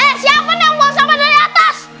eh siapa yang bawa sama dari atas